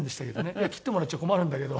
いや切ってもらっちゃ困るんだけど。